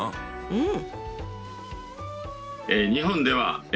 うん。